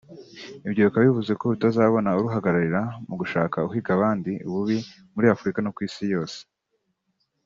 Ibyo bikaba bivuze ko rutazabona uruhagararira mu gushaka uhiga abandi ububi muri Afrika no ku isi yose